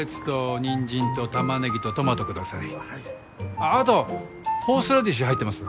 あっあとホースラディッシュ入ってます？